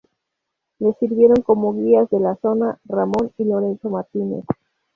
Le sirvieron como guías de la zona: Ramón y Lorenzo Martínez.